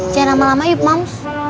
jangan lama lama yuk mams